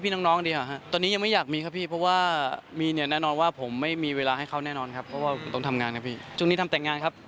ต้องทำงานครับพี่จงนี้ทำแต่งงานครับ